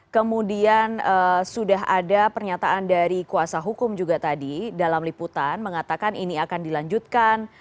kemudian sudah ada pernyataan dari kuasa hukum juga tadi dalam liputan mengatakan ini akan dilanjutkan